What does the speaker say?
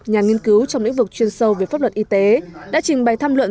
nhà nghiên cứu trong lĩnh vực chuyên sâu về pháp luật y tế đã trình bày tham luận